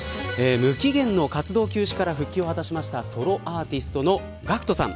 無期限の活動休止から復帰を果たしたソロアーティストのＧＡＣＫＴさん。